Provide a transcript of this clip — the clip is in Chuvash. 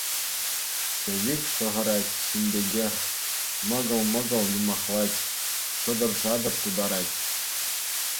Шӗвик! шӑхӑрать, ҫын пекех, мӑкӑл-мӑкӑл юмахлать, шӑтӑр-шатӑр тутарать.